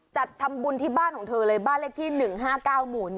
จัดทำบุญที่บ้านของเธอเลยบ้านเลขที่๑๕๙หมู่๑